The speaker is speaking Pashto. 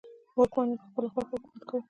واکمنو په خپله خوښه حکومت کاوه.